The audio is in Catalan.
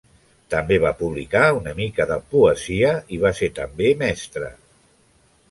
També va publicar una mica de poesia i va ser també mestre.